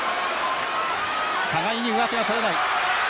互いに上手は取れない。